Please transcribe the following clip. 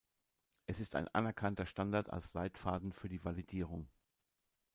Es ist ein anerkannter Standard als Leitfaden für die Validierung.